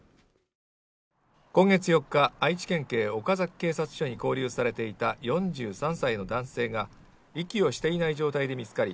今月４日愛知県警岡崎警察署に勾留されていた４３歳の男性が息をしていない状態で見つかり